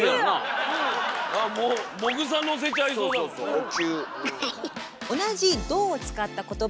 もぐさのせちゃいそうだもんね。